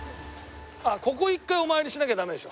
ここ一回お参りしなきゃダメでしょ。